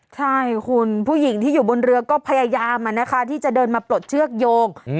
ใช่คุณผู้หญิงที่อยู่บนเรือก็พยายามที่จะเดินมาปลดเชือกโยง